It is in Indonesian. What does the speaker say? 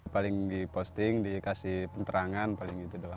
paling di posting dikasih penerangan paling itu dalam